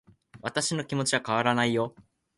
私の気持ちは変わらないよ